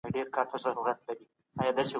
په مال کي د زکات ترڅنګ نور واجبات سته.